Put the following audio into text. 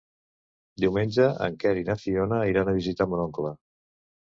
Diumenge en Quer i na Fiona iran a visitar mon oncle.